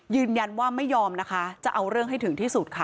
ยืนยันว่าไม่ยอมนะคะจะเอาเรื่องให้ถึงที่สุดค่ะ